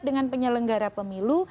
dengan penyelenggara pemilu